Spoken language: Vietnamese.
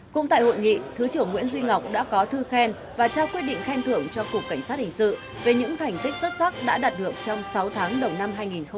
cũng tại hội nghị thứ trưởng nguyễn duy ngọc đã có thư khen và trao quyết định khen thưởng cho cục cảnh sát hình sự về những thành tích xuất sắc đã đạt được trong sáu tháng đầu năm hai nghìn hai mươi ba